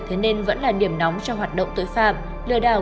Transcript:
thế nên vẫn là điểm nóng cho hoạt động tội phạm lừa đảo